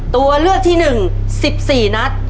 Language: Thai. ตัวเลือกที่๑๑๔นัด